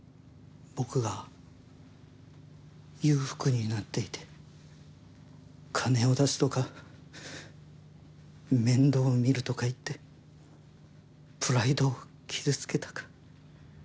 僕が裕福になっていて金を出すとか面倒見るとか言ってプライドを傷つけたか。